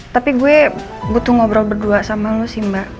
tapi gue butuh ngobrol berdua sama lo sih mbak